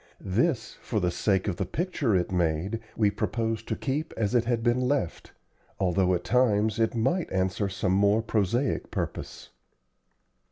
This, for the sake of the picture it made, we proposed to keep as it had been left, although at times it might answer some more prosaic purpose.